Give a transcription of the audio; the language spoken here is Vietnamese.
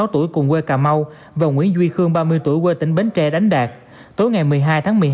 hai mươi sáu tuổi cùng quê cà mau và nguyễn duy khương ba mươi tuổi quê tỉnh bến tre đánh đạt tối ngày một mươi hai tháng